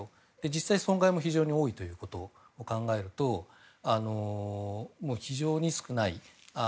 実際、損害も非常に多いということを考えると非常に少ない。